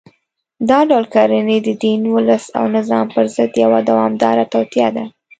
دا ډول کړنې د دین، ولس او نظام پر ضد یوه دوامداره توطیه ده